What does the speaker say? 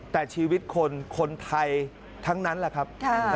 แต่ชีวิตคนคนไทยทั้งนั้นแหละครับ